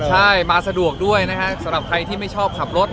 ใช่มาสะดวกด้วยนะฮะสำหรับใครที่ไม่ชอบขับรถ